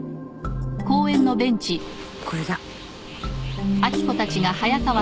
これだ。